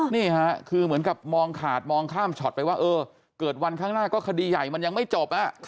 นี่ค่ะคือเหมือนกับมองขาดมองข้ามช็อตไปว่าเออเกิดวันข้างหน้าก็คดีใหญ่มันยังไม่จบ